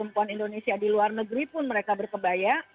perempuan indonesia di luar negeri pun mereka berkebaya